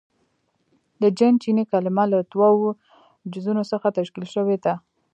• د جن چیني کلمه له دوو جزونو څخه تشکیل شوې ده.